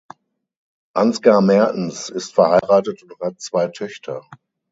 Ansgar Mertens ist verheiratet und hat zwei Töchter.